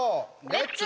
レッツ！